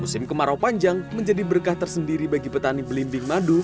musim kemarau panjang menjadi berkah tersendiri bagi petani belimbing madu